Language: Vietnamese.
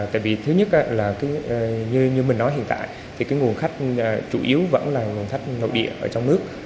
tại vì thứ nhất như mình nói hiện tại nguồn khách chủ yếu vẫn là nguồn khách nội địa ở trong nước